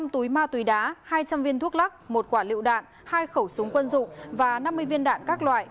năm túi ma túy đá hai trăm linh viên thuốc lắc một quả liệu đạn hai khẩu súng quân dụng và năm mươi viên đạn các loại